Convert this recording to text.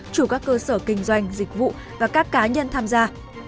chủ các cơ sở kinh doanh dịch vụ và các cá nhân tham gia